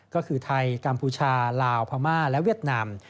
ก็คือไทยกัมพูชาลาวพม่าและเวียดนาม